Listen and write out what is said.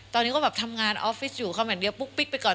ตอนนี้ก็แบบทำงานออฟฟิศอยู่คอมแมทเดียวปุ๊กปิ๊กไปก่อน